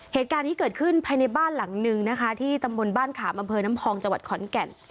เหตุการณ์ที่เกิดขึ้นภายในบ้านหลังนึงนะคะที่ตำบลบ้านขาบบน้ำพองจขอนแก่น